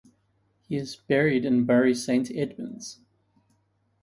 He is buried in Bury Saint Edmunds.